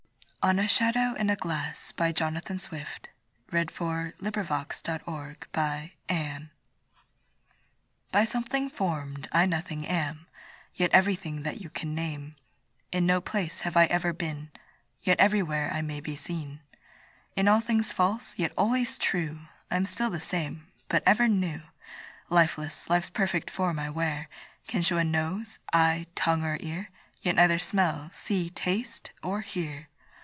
For I hate a silent breath, And a whisper is my death. ON A SHADOW IN A GLASS; By something form'd, I nothing am, Yet everything that you can name; In no place have I ever been, Yet everywhere I may be seen; In all things false, yet always true, I'm still the same but ever new. Lifeless, life's perfect form I wear, Can show a nose, eye, tongue, or ear, Yet neither smell, see, taste, or hear.